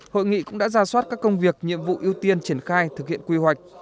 hội nghị cũng đã ra soát các công việc nhiệm vụ ưu tiên triển khai thực hiện quy hoạch